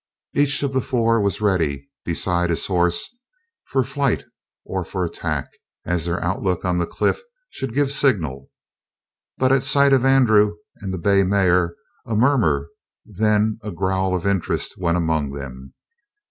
Each of the four was ready, beside his horse, for flight or for attack, as their outlook on the cliff should give signal. But at sight of Andrew and the bay mare a murmur, then a growl of interest went among them.